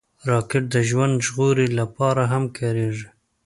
راکټ د ژوند ژغورنې لپاره هم کارېږي